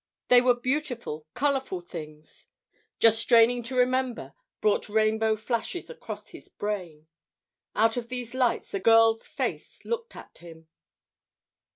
They were beautiful, colourful things. Just straining to remember brought rainbow flashes across his brain. Out of these lights a girl's face looked at him.